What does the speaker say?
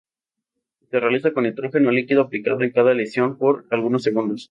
Se realiza con nitrógeno líquido aplicado en cada lesión por algunos segundos.